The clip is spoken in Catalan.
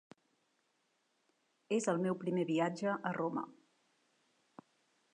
És el meu primer viatge a Roma.